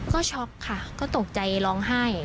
ก็ช็อกค่ะก็ตกใจร้องไห้